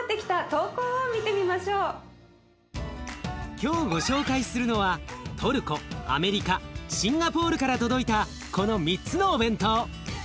今日ご紹介するのはトルコアメリカシンガポールから届いたこの３つのお弁当。